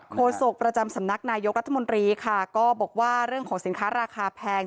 โศกประจำสำนักนายกรัฐมนตรีค่ะก็บอกว่าเรื่องของสินค้าราคาแพง